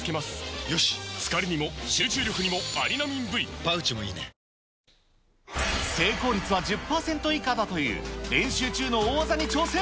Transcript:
缶コーヒーの「ＢＯＳＳ」成功率は１０％以下だという、練習中の大技に挑戦。